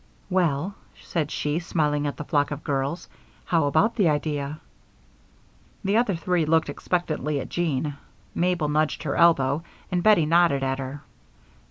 "Well," said she, smiling at the flock of girls, "how about the idea?" The other three looked expectantly at Jean; Mabel nudged her elbow and Bettie nodded at her.